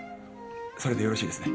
それでよろしいですね？